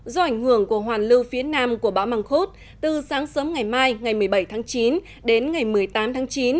do ảnh hưởng của hoàn lưu phía nam của bão măng khuốt từ sáng sớm ngày mai ngày một mươi bảy tháng chín đến ngày một mươi tám tháng chín